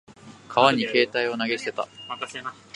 川に携帯電話を投げ捨てた。